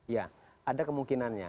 ya ada kemungkinannya